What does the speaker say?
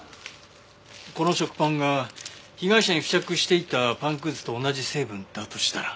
この食パンが被害者に付着していたパンくずと同じ成分だとしたら。